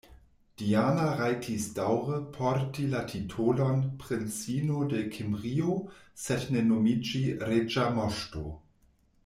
Diana rajtis daŭre porti la titolon "Princino de Kimrio", sed ne nomiĝi "reĝa moŝto".